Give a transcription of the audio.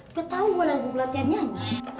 udah tau gua lagi latihan nyang